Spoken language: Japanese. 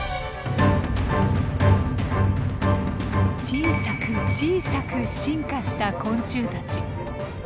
小さく小さく進化した昆虫たち。